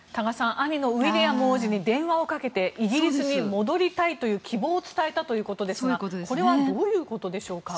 兄のウィリアム王子に電話をかけてイギリスに戻りたいという希望を伝えたということですがこれはどういうことでしょうか？